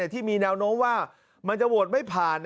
ที่มีแนวโน้มว่ามันจะโหวตไม่ผ่าน